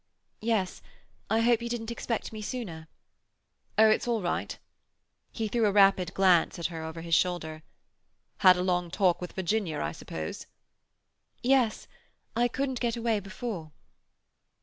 "Yes. I hope you didn't expect me sooner." "Oh, it's all right." He threw a rapid glance at her over his shoulder. "Had a long talk with Virginia, I suppose?" "Yes. I couldn't get away before."